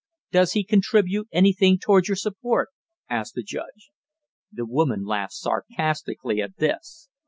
"Does he contribute anything toward your support?" asked the judge. The woman laughed sarcastically at this.